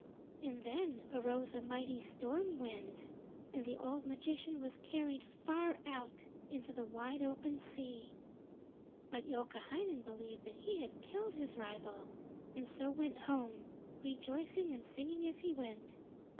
And then arose a mighty storm wind, and the old magician was carried far out into the wide open sea. But Youkahainen believed that he had killed his rival, and so went home, rejoicing and singing as he went.